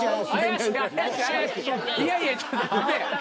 いやいやちょっと待て！